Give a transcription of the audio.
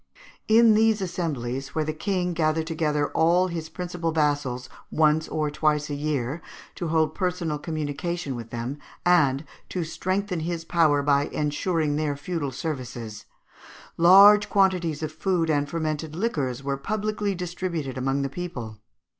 _ In these assemblies, where the King gathered together all his principal vassals once or twice a year, to hold personal communication with them, and to strengthen his power by ensuring their feudal services, large quantities of food and fermented liquors were publicly distributed among the people (Fig.